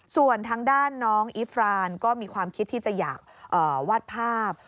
ส่วนทางด้านน้องอีฟรานก็มีความคิดที่จะอยากวาดภาพ